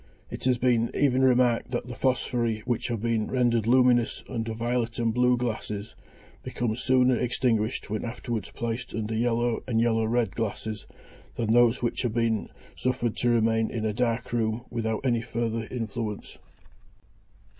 It has been even remarked that the phosphori which have been rendered luminous under violet and blue glasses, become sooner extinguished when afterwards placed under yellow and yellow red glasses than those which have been suffered to remain in a dark room without any further influence.